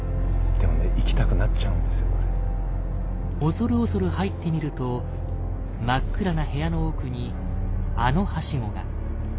恐る恐る入ってみると真っ暗な部屋の奥にあのハシゴが。